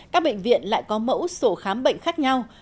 các bệnh viện lại có mẫu sổ khám bệnh khác nhau